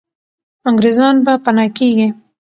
انګریزان به پنا کېږي.